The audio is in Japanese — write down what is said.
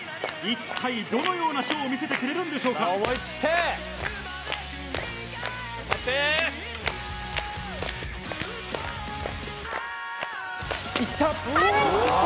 一体どのような書を見せてくれるんでしょうか？行った！